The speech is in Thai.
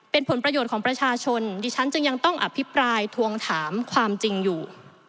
เป็นผลประโยชน์ของประชาชนดิฉันจึงยังต้องอภิปรายทวงถามความจริงอยู่